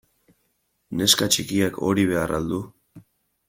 Neska txikiak hori behar al du?